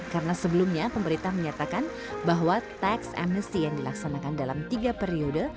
karena sebelumnya pemerintah menyatakan bahwa tax amnesty yang dilaksanakan dalam tiga periode